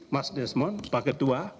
mas desmond pak ketua